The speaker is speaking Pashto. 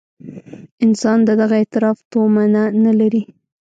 انسان د دغه اعتراف تومنه نه لري.